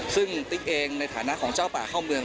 ซึ่งติ๊กเองในฐานะของเจ้าป่าเข้าเมือง